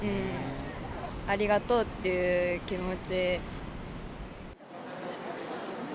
ありがとうっていう気持ち。